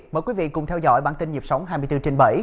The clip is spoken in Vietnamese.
mời quý vị cùng theo dõi bản tin nhịp sống hai mươi bốn trên bảy